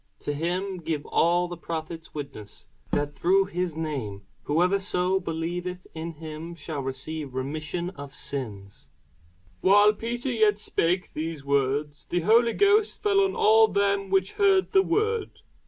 To him give all the prophets witness, that through his name whosoever believeth in him shall receive remission of sins. [Sidenote: The Acts 12] While Peter yet spake these words, the Holy Ghost fell on all them which heard the word.